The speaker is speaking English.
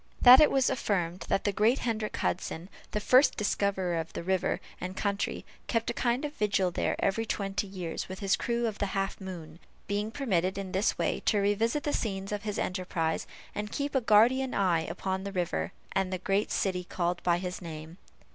That it was affirmed that the great Hendrick Hudson, the first discoverer of the river and country, kept a kind of vigil there every twenty years, with his crew of the Half moon; being permitted in this way to revisit the scenes of his enterprise, and keep a guardian eye upon the river and the great city called by his name.